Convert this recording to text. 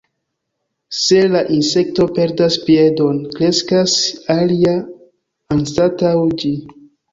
Se la insekto perdas piedon, kreskas alia anstataŭ ĝi.